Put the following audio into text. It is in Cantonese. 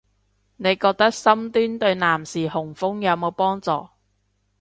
你覺得深蹲對男士雄風有冇幫助